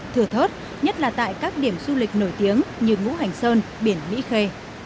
thừa thớt nhất là tại các điểm du lịch nổi tiếng như ngũ hành sơn biển mỹ khê